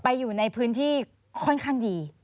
อยู่ในพื้นที่ค่อนข้างดี